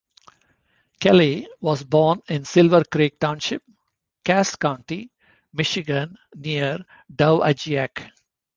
Kelley was born in Silver Creek Township, Cass County, Michigan, near Dowagiac.